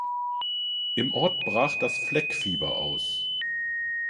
Im Ort brach das Fleckfieber aus.